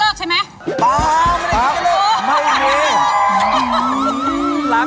เปล่าไม่ได้คิดจะเลิก